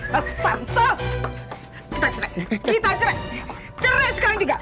mas samsul kita cerai kita cerai cerai sekarang juga